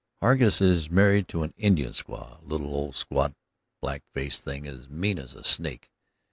"Hargus is married to an Indian squaw, a little old squat, black faced thing as mean as a snake.